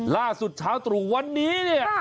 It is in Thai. ล่าสุดเช้าตรงวันนี้